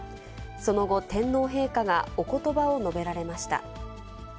その後、天皇陛下がおことばを述べられました。